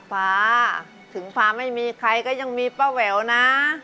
ฟ้าถึงฟ้าไม่มีใครก็ยังมีป้าแหววนะ